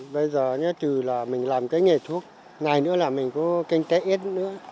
bây giờ nhớ từ là mình làm cái nghề thuốc ngày nữa là mình có kinh tế ít nữa